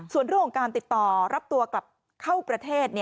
ส่วนเรื่องของการติดต่อรับตัวกลับเข้าประเทศ